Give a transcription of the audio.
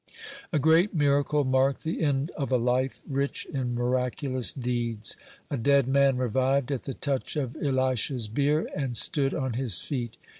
(20) A great miracle marked the end of a life rich in miraculous deeds: a dead man revived at the touch of Elisha's bier, and stood on his feet.